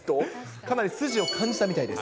かなり筋を感じたみたいです。